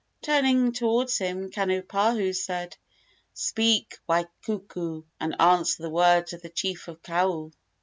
Turning toward him, Kanipahu said: "Speak, Waikuku, and answer the words of the chief of Kau."